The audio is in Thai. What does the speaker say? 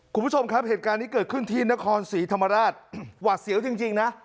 คุณผู้ชมครับเหตุการณ์นี้เกิดขึ้นที่นครศรีธรรมราชหวาดเสียวจริงนะ